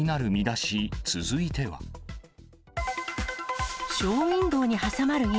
ショーウインドーに挟まる犬。